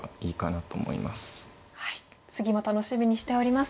次も楽しみにしております。